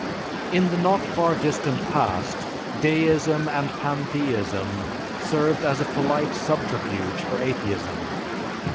In the not far distant past deism and pantheism served as a polite subterfuge for atheism.